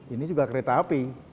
ini juga kereta api